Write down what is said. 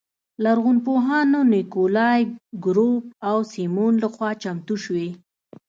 لرغونپوهانو نیکولای ګروب او سیمون لخوا چمتو شوې.